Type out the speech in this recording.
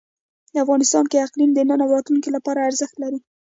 افغانستان کې اقلیم د نن او راتلونکي لپاره ارزښت لري.